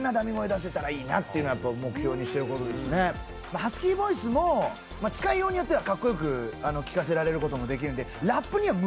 ハスキーボイスも使いようによってはかっこよく聞かせられる事もできるんで。